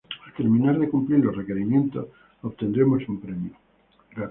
Al terminar de cumplir los requerimientos, obtendremos un premio.